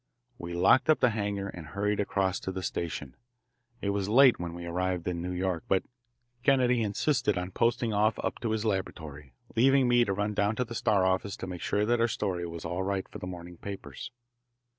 We locked up the hangar and hurried across to the station. It was late when we arrived in New York, but Kennedy insisted on posting off up to his laboratory, leaving me to run down to the Star office to make sure that our story was all right for the morning papers.